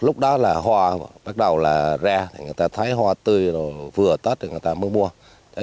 lúc đó là hoa bắt đầu là ra người ta thấy hoa tươi vừa tết thì người ta mới mua